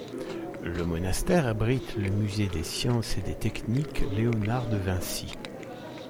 Le monastère abrite le Musée des sciences et des techniques Léonard de Vinci.